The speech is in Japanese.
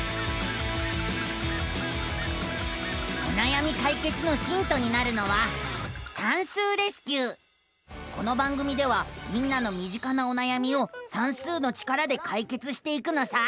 おなやみかいけつのヒントになるのはこの番組ではみんなのみ近なおなやみを算数の力でかいけつしていくのさ！